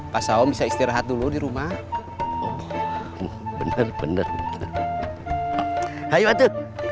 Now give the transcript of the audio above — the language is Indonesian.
pasal bisa istirahat dulu di rumah bener bener hai hai